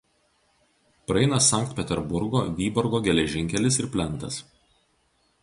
Praeina Sankt Peterburgo–Vyborgo geležinkelis ir plentas.